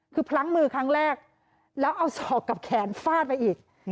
คือพลั้งมือครั้งแรกแล้วเอาศอกกับแขนฟาดไปอีก